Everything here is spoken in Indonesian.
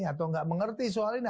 atau nggak mengerti soal ini